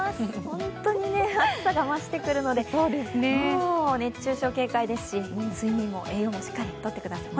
本当に暑さが増してくるので熱中症、警戒ですし睡眠も栄養もしっかりとってください。